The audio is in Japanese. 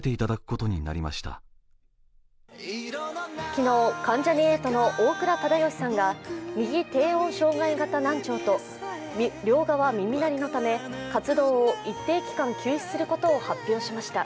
昨日、関ジャニ∞の大倉忠義さんが右低音障害型難聴と両側耳鳴りのため活動を一定期間休止することを発表しました。